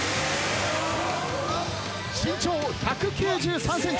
身長１９３ｃｍ。